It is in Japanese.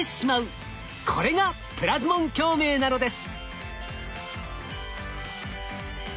これがプラズモン共鳴なのです。